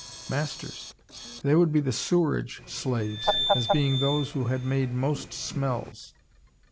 Masters. They would be the sewerage slaves, as being those who had made most smells."